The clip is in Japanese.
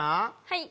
はい。